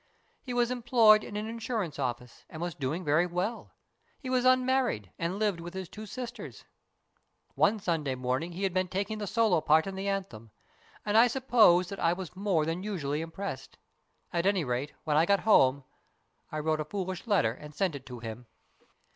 He was em ployed in an insurance office and was doing very well. He was unmarried and lived with his two sisters. One Sunday night he had been taking the solo part in the anthem, and I suppose that I was more than usually impressed. At any rate, when I got home I wrote a foolish letter and sent it to him.